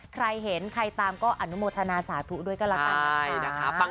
ใครเห็นใครตามก็อนุโมทนาสาธุด้วยก็ละกัน